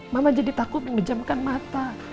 mama jadi takut mengejamkan mata